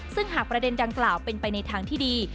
ซึ่งหากประเด็นดังกล่าวเป็นไปในทางที่ดี